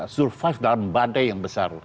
survive dalam badai yang besar